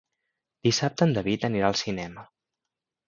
Dissabte en David anirà al cinema.